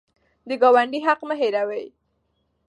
د ګاونډي حق مه هېروئ.